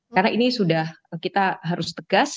karena ini sudah kita harus tegas